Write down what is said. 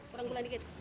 kurang gula sedikit